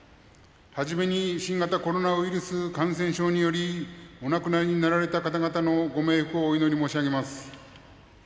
はじめに新型コロナウイルス感染症によりお亡くなりになられた方々のご冥福を、お祈り申し上げます。